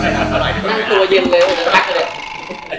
นั่งตัวเย็นเลย